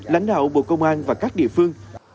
lãnh đạo bộ công an và các địa phương